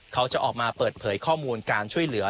เขาจะออกมาเปิดเผยข้อมูลการช่วยเหลือ